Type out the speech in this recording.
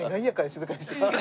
「静かにして」。